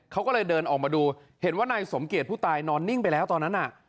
เขาก็เลยเดินออกมาดูเห็นว่านายสมเกียจผู้ตายนอนนิ่งไปแล้วตอนนั้นน่ะ